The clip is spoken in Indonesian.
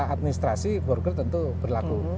administrasi border tentu berlaku